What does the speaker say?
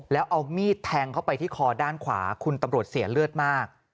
แล้วเอามีดแทงเข้าไปที่คอด้านขวาคุณตำรวจเสียเลือดมาก